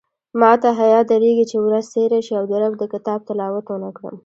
ماته حیاء درېږې چې ورځ تېره شي او د رب د کتاب تلاوت ونکړم